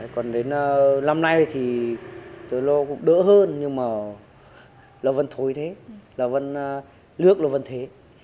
còn đến năm nay thì nó cũng đỡ hơn nhưng mà nó vẫn thôi thế nước nó vẫn thế